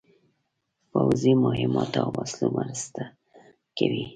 پوځي مهماتو او وسلو مرسته کوي.